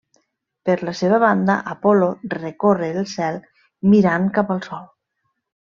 Per la seva banda Apol·lo, recorre el cel mirant cap al sol.